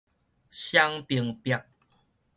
雙爿壁